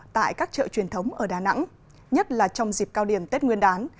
tại các chợ truyền thống ở đà nẵng nhất là trong dịp cao điểm tết nguyên đán